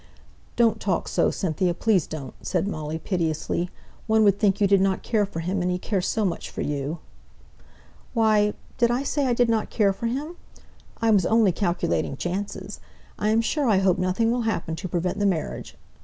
"Don't talk so, Cynthia, please don't," said Molly, piteously. "One would think you didn't care for him, and he cares so much for you!" "Why, did I say I didn't care for him? I was only calculating chances. I'm sure I hope nothing will happen to prevent the marriage.